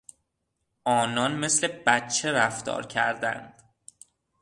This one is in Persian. آنان مثل بچه رفتار کردند.